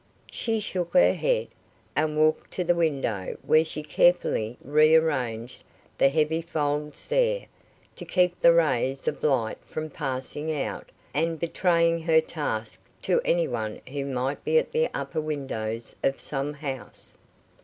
She shook her head, and walked to the window, where she carefully rearranged the heavy folds there, to keep the rays of light from passing out and betraying her task to any one who might be at the upper windows of some house.